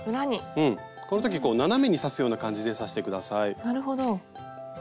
この時斜めに刺すような感じで刺して下さい。